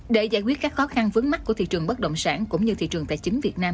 để giải quyết các khó khăn vướng mắt của thị trường bất động sản cũng như thị trường tài chính việt nam